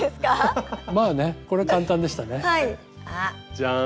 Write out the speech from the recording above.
じゃん。